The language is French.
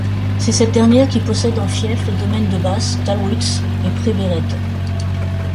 C'est cette dernière qui possède en fief les domaines de Basse, Dalwitz et Prebberede.